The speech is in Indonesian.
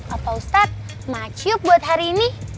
opa ustadz ma ciup buat hari ini